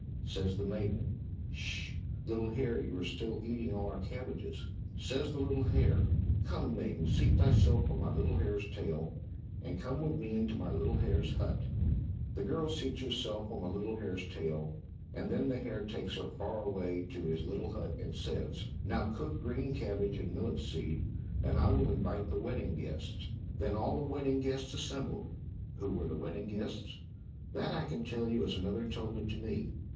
Says the maiden, "Sh sh, little hare, you are still eating all our cabbages." Says the little hare, "Come, maiden, seat thyself on my little hare's tail, and come with me into my little hare's hut." The girl seats herself on the little hare's tail, and then the hare takes her far away to his little hut, and says, "Now cook green cabbage and millet seed, and I will invite the wedding guests." Then all the wedding guests assembled. (Who were the wedding guests?) That I can tell you as another told it to me.